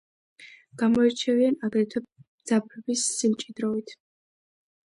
გამოირჩევიან აგრეთვე ძაბრების სიმჭიდროვით.